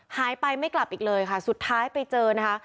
ไม่กลับอีกเลยค่ะสุดท้ายไปเจอนะคะ